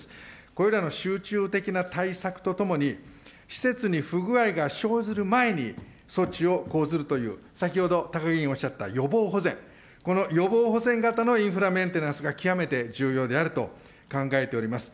これらの集中的な対策とともに、施設に不具合が生ずる前に措置を講ずるという、先ほど高木議員おっしゃった予防保全、この予防保全型のインフラメンテナンスが極めて重要であると考えております。